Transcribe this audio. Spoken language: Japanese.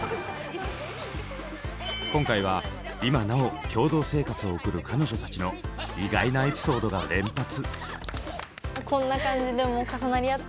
今回は今なお共同生活を送る彼女たちの意外なエピソードが連発！